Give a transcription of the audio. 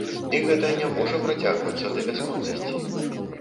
І гэта не можа працягвацца да бясконцасці.